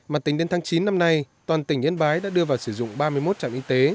mà tính đến tháng chín năm nay toàn tỉnh yên bái đã đưa vào sử dụng ba mươi một trạm y tế